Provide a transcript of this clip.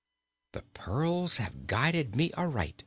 "The pearls have guided me aright!"